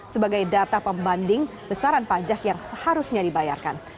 sebagai data pembanding besaran pajak yang seharusnya dibayarkan